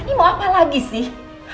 ini mau apa lagi sih